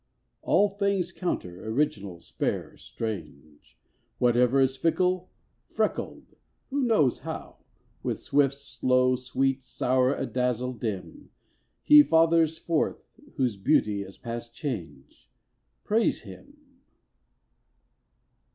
All things counter, original, spare, strange; Whatever is fickle, freckled (who knows how?) With swift, slow; sweet, sour; adazzle, dim; He fathers forth whose beauty is past change: Praise him.